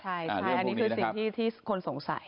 ใช่อันนี้คือสิ่งที่คนสงสัย